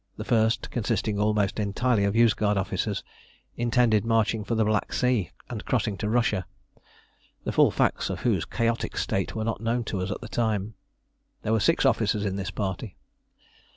The first, consisting almost entirely of Yozgad officers, intended marching for the Black Sea and crossing to Russia, the full facts of whose chaotic state were not known to us at the time. There were six officers in this party.